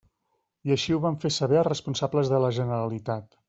I així ho van fer saber a responsables de la Generalitat.